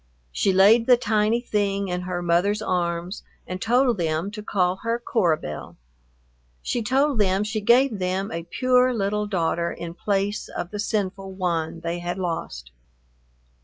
She laid the tiny thing in her mother's arms and told them to call her Cora Belle. She told them she gave them a pure little daughter in place of the sinful one they had lost.